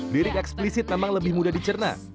lirik eksplisit memang lebih mudah dicerna